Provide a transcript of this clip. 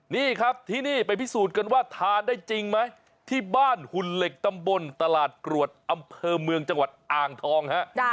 นี่ครับที่นี่ไปพิสูจน์กันว่าทานได้จริงไหมที่บ้านหุ่นเหล็กตำบลตลาดกรวดอำเภอเมืองจังหวัดอ่างทองฮะ